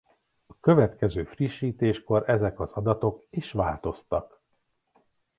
A következő frissítéskor ezek az adatok és változtak.